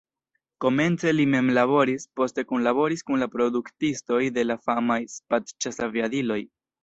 Komence li mem laboris, poste kunlaboris kun la produktistoj de la famaj Spad-ĉasaviadiloj.